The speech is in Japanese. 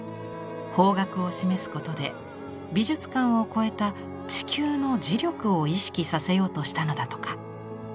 方角を示すことで美術館を越えた地球の磁力を意識させようとしたのだとか。